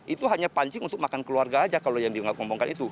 itu hanya pancing untuk makan keluarga saja kalau yang dianggap ngomongkan itu